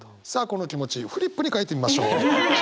この気持ちフリップに書いてみましょう。